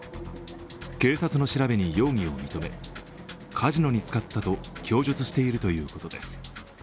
警察の調べに容疑を認めカジノに使ったと供述しているということです。